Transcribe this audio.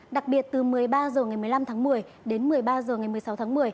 đặc biệt từ một mươi ba h ngày một mươi năm tháng một mươi đến một mươi ba h ngày một mươi sáu tháng một mươi